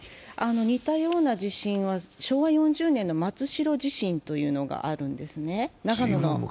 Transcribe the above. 似たような地震は昭和４０年の長野の松代地震というのがあったんですね。